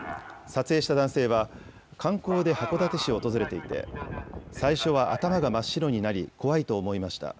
撮影した男性は、観光で函館市を訪れていて、最初は頭が真っ白になり、怖いと思いました。